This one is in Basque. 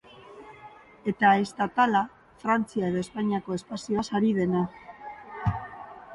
Eta estatala, Frantzia edo Espainiako espazioaz ari dena.